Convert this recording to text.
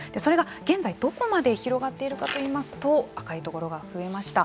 現在どこまで広がっているかといいますと赤い所が増えました。